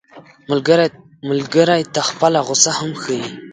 ملګری ته خپله غوسه هم ښيي